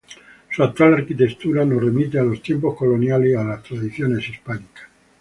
Su actual arquitectura nos remite a los tiempos coloniales y a las tradiciones hispánicas.